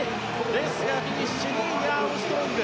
レスがフィニッシュ２位がアームストロング。